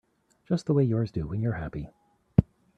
Just the way yours do when you're happy.